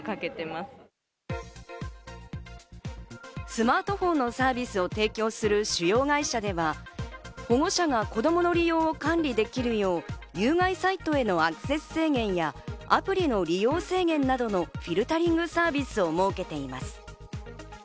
スマートフォンのサービスを提供する主要会社では、保護者が子供の利用を管理できるよう、有害サイトへのアクセス制限やアプリの利用制限などのフィルタリングサービスを設けています。